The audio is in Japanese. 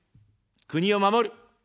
国を守る。